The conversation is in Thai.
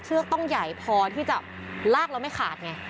ต้องใหญ่พอที่จะลากเราไม่ขาดไง